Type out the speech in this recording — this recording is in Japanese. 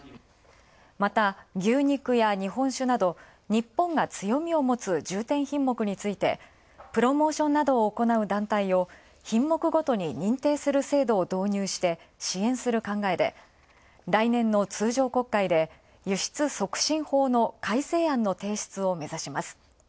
また、牛肉や日本酒など日本が強みを持つ重点品目について、プロモーションを行う団体を品目ごとに認定する制度を導入して、来年の通常国会で輸出促進法の改正案の提出を目指します。